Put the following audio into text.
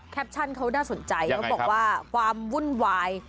แปปชั่นเขาน่าสนใจเขาบอกว่าความวุ่นวาย